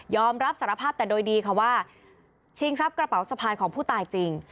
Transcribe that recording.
อมรับสารภาพแต่โดยดีค่ะว่าชิงทรัพย์กระเป๋าสะพายของผู้ตายจริง